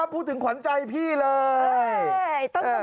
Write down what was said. พูดถึงขวัญใจพี่เลย